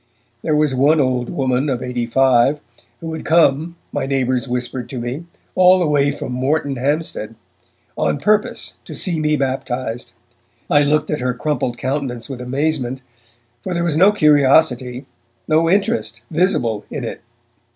There was one old woman of eighty five who had come, my neighbours whispered to me, all the way from Moreton Hampstead, on purpose to see me baptized. I looked at her crumpled countenance with amazement, for there was no curiosity, no interest visible in it.